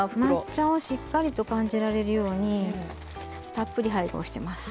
抹茶をしっかりと感じられるようにたっぷり配合してます。